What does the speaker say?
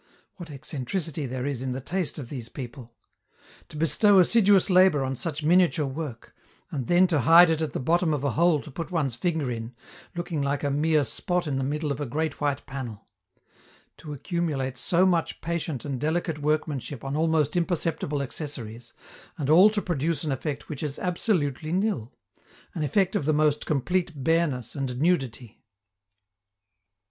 What eccentricity there is in the taste of this people! To bestow assiduous labor on such miniature work, and then to hide it at the bottom of a hole to put one's finger in, looking like a mere spot in the middle of a great white panel; to accumulate so much patient and delicate workmanship on almost imperceptible accessories, and all to produce an effect which is absolutely nil, an effect of the most complete bareness and nudity.